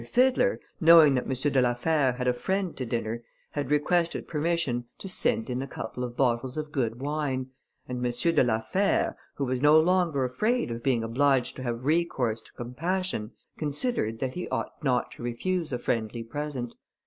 Fiddler, knowing that M. de la Fère had a friend to dinner, had requested permission to send in a couple of bottles of good wine, and M. de la Fère, who was no longer afraid of being obliged to have recourse to compassion, considered that he ought not to refuse a friendly present.